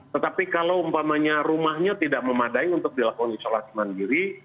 tetapi kalau umpamanya rumahnya tidak memadai untuk dilakukan isolasi mandiri